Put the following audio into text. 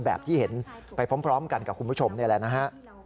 แบบที่เห็นไปพร้อมกันกับคุณผู้ชมนี่แหละนะฮะ